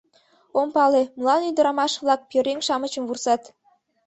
Ом пале, молан ӱдырамаш-влак пӧръеҥ-шамычым вурсат.